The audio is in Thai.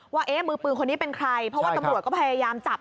ว่ามือปืนคนนี้เป็นใครเพราะว่าตำรวจก็พยายามจับ